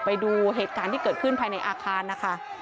ไปดูเหตุการณ์ที่เกิดขึ้นภายในอาคารนะคะ